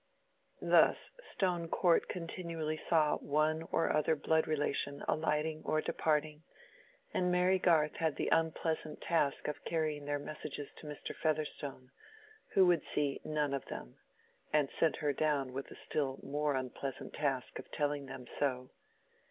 Thus Stone Court continually saw one or other blood relation alighting or departing, and Mary Garth had the unpleasant task of carrying their messages to Mr. Featherstone, who would see none of them, and sent her down with the still more unpleasant task of telling them so.